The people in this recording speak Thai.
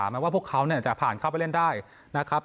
แม้ว่าพวกเขาจะผ่านเข้าไปเล่นได้นะครับ